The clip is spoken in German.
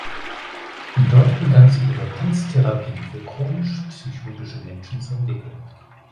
Dort begann sie ihre Tanztherapie für chronisch psychotische Menschen zu entwickeln.